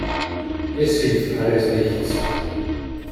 Es hilft alles nichts.